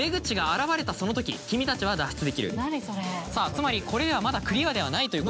つまりこれではまだクリアではないということです。